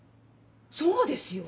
そうですよ